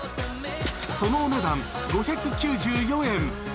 そのお値段５９４円。